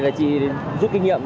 là chỉ giúp kinh nghiệm